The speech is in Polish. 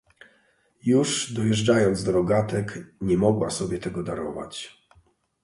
"Już dojeżdżając do rogatek, nie mogła sobie tego darować."